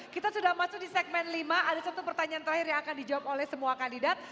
kita sudah masuk di segmen lima ada satu pertanyaan terakhir yang akan dijawab oleh semua kandidat